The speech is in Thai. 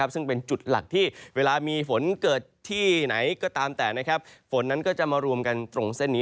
ซึ่งเป็นจุดหลักที่เวลามีฝนเกิดที่ไหนก็ตามแต่ฝนนั้นก็จะมารวมกันตรงเส้นนี้